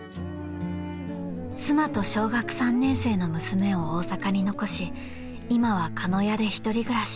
［妻と小学３年生の娘を大阪に残し今は鹿屋で１人暮らし］